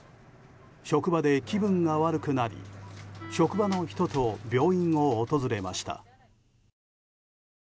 職場で気分が悪くなり職場の人と病院を訪れました。